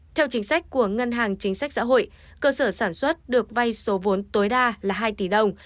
theo chính sách của ngân hàng chính sách xã hội cơ sở sản xuất được vay số vốn tối đa là hai tỷ đồng